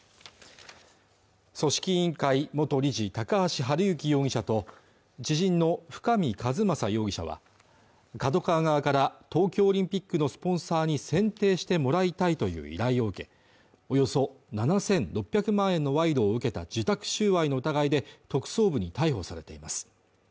組織委員会元理事高橋治之容疑者と知人の深見和政容疑者はＫＡＤＯＫＡＷＡ側から東京オリンピックのスポンサーに選定してもらいたいという依頼を受けおよそ７６００万円の賄賂を受けた受託収賄の疑いで特捜部に逮捕されています